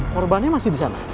korbannya masih di sana